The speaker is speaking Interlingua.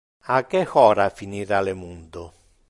A que hora finira le mundo?